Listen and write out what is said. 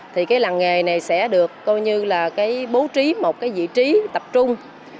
thì cái làm nghề này sẽ được coi như là bố trí một vị trí tập trung